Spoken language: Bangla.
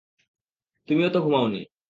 তুমিও তো ঘুমাওনি।